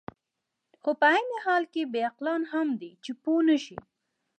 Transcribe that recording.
خو په عین حال کې بې عقلان هم دي، چې پوه نه شي.